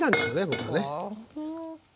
僕はね。